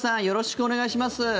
よろしくお願いします。